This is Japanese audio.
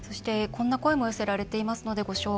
こんな声も寄せられています。